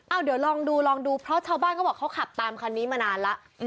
เอาเดี๋ยวลองดูลองดูเพราะชาวบ้านเขาบอกเขาขับตามคันนี้มานานแล้ว